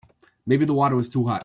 Maybe the water was too hot.